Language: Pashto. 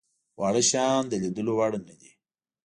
واړه شيان د ليدلو وړ نه دي.